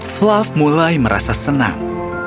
fluff mulai merasa senang